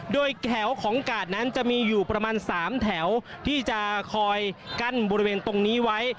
โดยแถวของกาดนั้นจะมีอยู่ประมาณ๓แถวที่จะคอยกั้นบริเวณตรงนี้ไว้